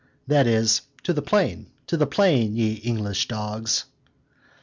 that is, "To the plain, to the plain, ye English dogs!"